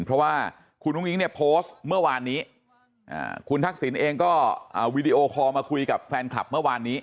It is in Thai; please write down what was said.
เพราะว่าคุณอุ้งอิ๊งเนี่ยโพสต์เมื่อวานนี้คุณทักษิณเองก็วีดีโอคอลมาคุยกับแฟนคลับเมื่อวานนี้